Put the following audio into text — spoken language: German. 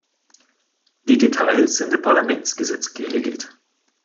Die Details sind im Parlamentsgesetz geregelt.